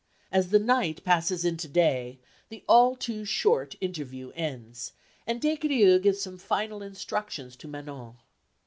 As the night passes into day, the all too short interview ends, and Des Grieux gives some final instructions to Manon.